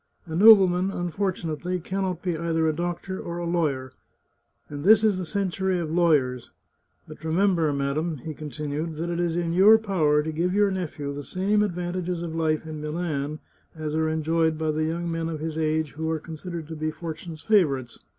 " A nobleman, unfortunately, can not be either a doctor or a lawyer, and this is the century of lawyers. But remember, madam," he continued, " that it is in your power to give your nephew the same advantages of life in Milan as are enjoyed by the young men of his age who are considered to be Fortune's favourites.